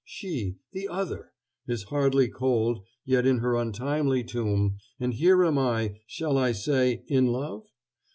She, the other, is hardly cold yet in her untimely tomb, and here am I ... shall I say in love?